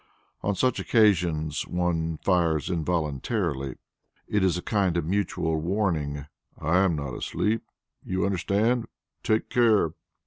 On such occasions one fires involuntarily; it is a kind of mutual warning, "I am not asleep, you understand; take care!"